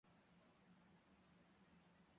刚毛萼刺蕊草为唇形科刺蕊草属下的一个种。